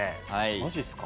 マジっすか？